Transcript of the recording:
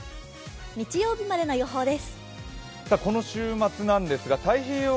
日曜日までの予報です。